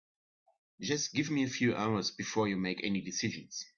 Just give me a few hours before you make any decisions.